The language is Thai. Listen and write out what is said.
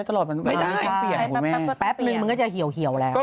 ต้องเปลี่ยนไม่ได้แป๊บนึงมันก็จะเหี่ยวแล้วใช่ไหม